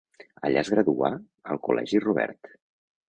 Allà es graduà al Col·legi Robert.